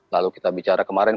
lalu kita bicara kemarin